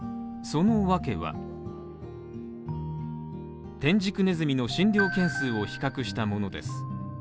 その訳は、テンジクネズミの診療件数を比較したものです。